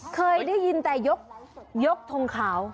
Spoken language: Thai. เคยได้ยินแต่ยกทงขาว